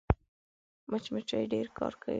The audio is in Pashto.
مچمچۍ ډېر کار کوي